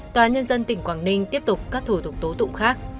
tòa nhân dân tỉnh quảng ninh tiếp tục các thủ tục tố tụng khác